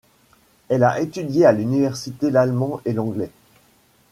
Elle a étudié à l'université l'allemand et l'anglais.